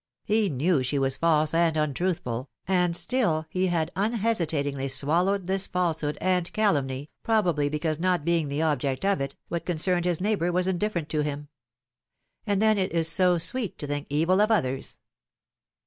He knew she was false and untruthful, and still he had unhesitatingly swallowed this falsehood and calumny, probably because not being the object of it, what con cerned his neighbor was indifferent to him. And then it is so sweet to think evil of others